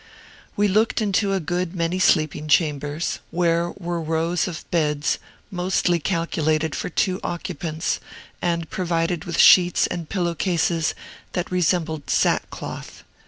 We looked into a good many sleeping chambers, where were rows of beds, mostly calculated for two occupants, and provided with sheets and pillow cases that resembled sackcloth.